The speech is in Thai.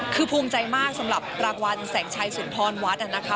คือภูมิใจมากสำหรับรางวัลแสงชัยสุนทรวัดนะคะ